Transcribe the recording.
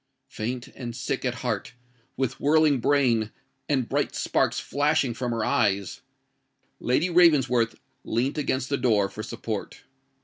Faint and sick at heart—with whirling brain—and bright sparks flashing from her eyes—Lady Ravensworth leant against the door for support.